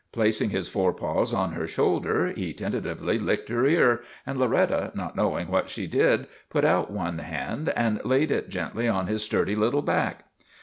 Placing his forepaws on her shoulder he tentatively licked her ear, and Loretta, not knowing what she did, put out one hand and laid it gently on his sturdy little back.